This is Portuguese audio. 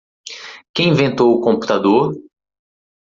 Quem inventou o computador?